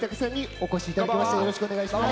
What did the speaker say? よろしくお願いします。